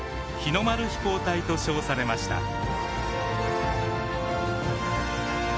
日の丸飛行隊と称されました。